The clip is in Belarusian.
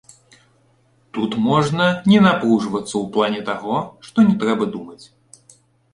Тут можна не напружвацца ў плане таго, што не трэба думаць.